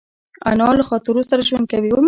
انا له خاطرو سره ژوند کوي